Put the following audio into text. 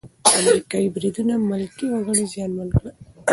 امریکايي بریدونه ملکي وګړي زیانمن کړل.